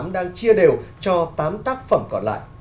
đang chia đều cho tám tác phẩm còn lại